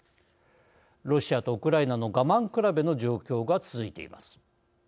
ロシアとウクライナの我慢比べの状況が続いています。